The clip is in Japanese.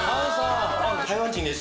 台湾人です。